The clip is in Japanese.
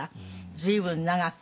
随分長く。